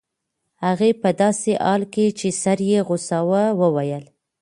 هغې په داسې حال کې چې سر یې خوځاوه وویل